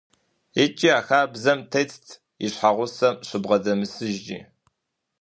Икӏи а хабзэм тетт и щхьэгъусэм щыбгъэдэмысыжми.